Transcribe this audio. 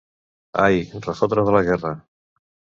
Ai, refotre de la guerra!